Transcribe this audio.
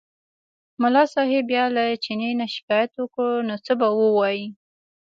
ملا صاحب بیا له چیني نه شکایت وکړ نو څه به ووایي.